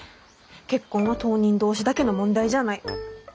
結婚は当人同士だけの問題じゃない。